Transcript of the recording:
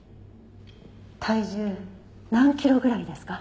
体重何キロぐらいですか？